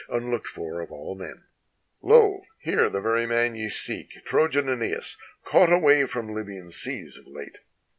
Unlooked for of all men : "Lo here the very man ye seek, Trojan ^Eneas, caught away from Lybian seas of late!